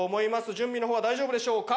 準備の方は大丈夫でしょうか？